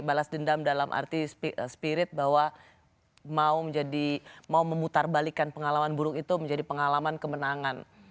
balas dendam dalam arti spirit bahwa mau memutarbalikan pengalaman buruk itu menjadi pengalaman kemenangan